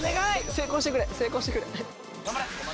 成功してくれ成功してくれ！